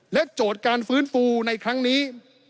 โจทย์การฟื้นฟูในครั้งนี้